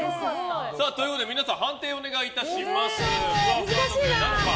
皆さん、判定をお願いします。